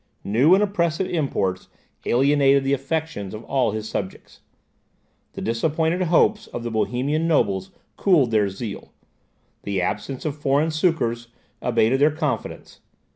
New and oppressive imposts alienated the affections of all his subjects. The disappointed hopes of the Bohemian nobles cooled their zeal; the absence of foreign succours abated their confidence.